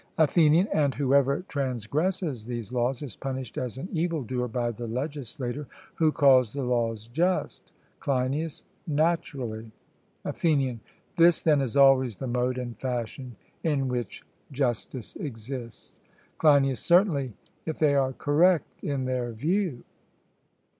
ATHENIAN: 'And whoever transgresses these laws is punished as an evil doer by the legislator, who calls the laws just'? CLEINIAS: Naturally. ATHENIAN: 'This, then, is always the mode and fashion in which justice exists.' CLEINIAS: Certainly, if they are correct in their view.